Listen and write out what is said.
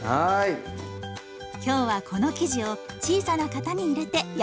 今日はこの生地を小さな型に入れて焼きます。